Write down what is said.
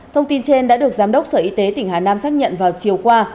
thông tin trên đã được giám đốc sở y tế tỉnh hà nam xác nhận vào chiều qua